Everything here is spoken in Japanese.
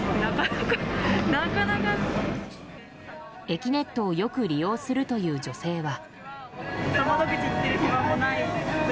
えきねっとをよく利用するという女性は。